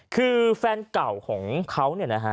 คือแฟนเก่าของเขา